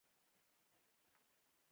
موږ باید کوښښ وکو